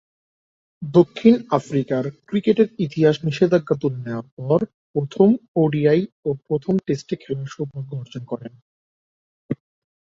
দক্ষিণ আফ্রিকার ক্রিকেটের ইতিহাসে নিষেধাজ্ঞা তুলে নেয়ার পর প্রথম ওডিআই ও প্রথম টেস্টে খেলার সৌভাগ্য অর্জন করেন।